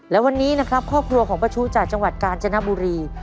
และวันนี้นะครับครอบครัวของป้าชู้จากจังหวัดกาญจนบุรี